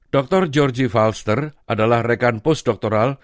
dr georgie falster adalah rekan postdoktoral